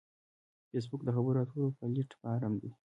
فېسبوک د خبرو اترو پلیټ فارم دی